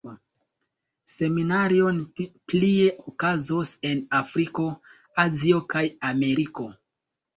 Seminarioj plie okazos en Afriko, Azio kaj Ameriko.